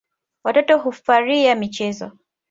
Watoto hufaria michezo.